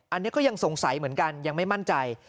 อันนี้ก็ยังสงสัยเหมือนกันยังไม่มั่นใจ